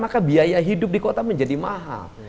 maka biaya hidup di kota menjadi mahal